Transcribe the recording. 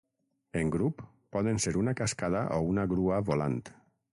En grup, poden ser una cascada o una grua volant.